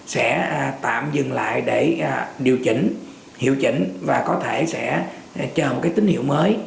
sẽ tạm dừng lại để điều chỉnh hiệu chỉnh và có thể sẽ chờ một cái tín hiệu mới